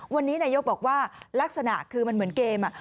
วันนี้นายกบอกว่าลักษณะคือมันเหมือนเกม